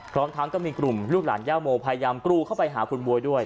พร้อมทั้งก็มีกลุ่มลูกหลานย่าโมพยายามกรูเข้าไปหาคุณบ๊วยด้วย